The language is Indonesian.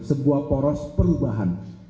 sebuah poros perubahan